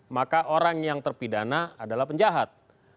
maka orang yang terpidana adalah penjahat